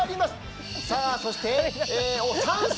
さあそして酸素！